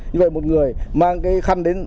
như vậy một người mang cái khăn đến giảm